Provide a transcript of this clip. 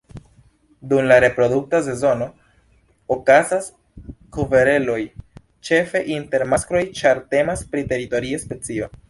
Dum la reprodukta sezono okazas kvereloj ĉefe inter maskloj, ĉar temas pri teritoria specio.